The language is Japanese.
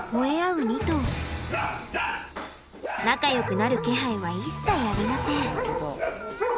仲よくなる気配は一切ありません。